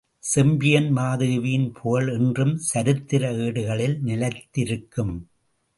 செம்பியன் மாதேவியின் புகழ் என்றும் சரித்திர ஏடுகளில் நிலைத்திருக்கும்.